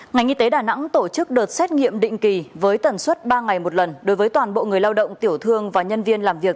ngành y tế đà nẵng tổ chức đợt xét nghiệm định kỳ với tần suất ba ngày một lần đối với toàn bộ người lao động tiểu thương và nhân viên làm việc